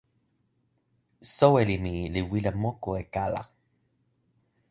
soweli mi li wile moku e kala.